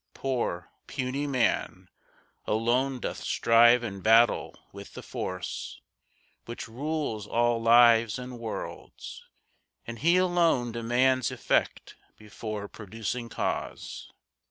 Poor, puny man Alone doth strive and battle with the Force Which rules all lives and worlds, and he alone Demands effect before producing cause.